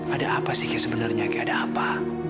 ada apa sih kak sebenarnya kak ada apa